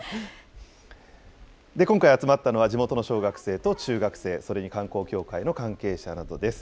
今回集まったのは、地元の小学生と中学生、それに観光協会の関係者などです。